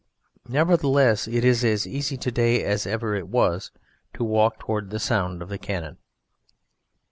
Nevertheless it is as easy to day as ever it was to walk towards the sound of cannon.